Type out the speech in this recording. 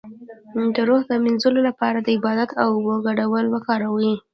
د روح د مینځلو لپاره د عبادت او اوبو ګډول وکاروئ